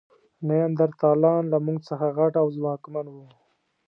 نیاندرتالان له موږ څخه غټ او ځواکمن وو.